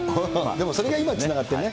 でもそれが今につながってるね。